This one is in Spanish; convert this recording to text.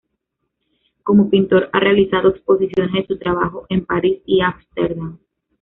Como pintor, ha realizado exposiciones de su trabajo en París y Ámsterdam.